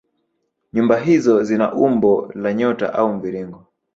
Nyumba hizo zina umbo la nyota au mviringo